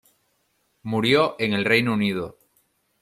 Murió en el Reino Unido.